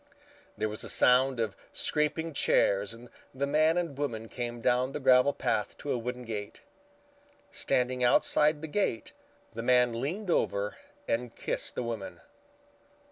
There was the sound of scraping chairs and the man and woman came down the gravel path to a wooden gate. Standing outside the gate, the man leaned over and kissed the woman.